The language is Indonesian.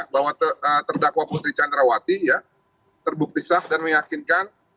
bahwa terdakwa putri candrawati terbukti sah dan meyakinkan